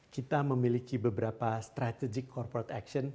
kita memiliki beberapa strategic corporate action